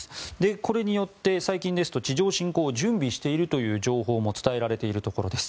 これによって最近ですと地上侵攻を準備しているという情報も伝えられているところです。